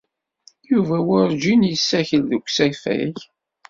Yuba werǧin yessakel deg usafag.